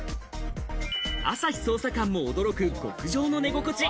朝日捜査官も驚く極上の寝心地。